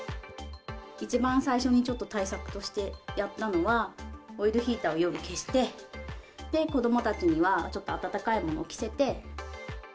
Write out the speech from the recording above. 一番最初にちょっと対策としてやったのは、オイルヒーターを夜消して、子どもたちにはちょっと暖かいものを着せて。